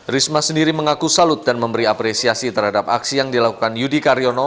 risma sendiri mengaku salut dan memberi apresiasi terhadap aksi yang dilakukan yudi karyono